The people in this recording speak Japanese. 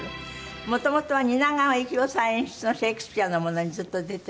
元々は蜷川幸雄さん演出のシェイクスピアのものにずっと出てらして。